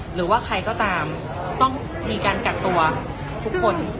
หรือว่าใครก็ตามต้องมีการกักตัวทุกคน